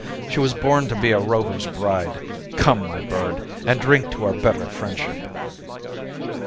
"She was born to be a Rover's bride. Come, my bird, and drink to our better friendship."